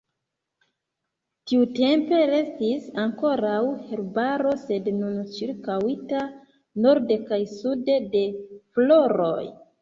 Tiutempe restis ankoraŭ herbaro, sed nun ĉirkaŭita norde kaj sude de floroj.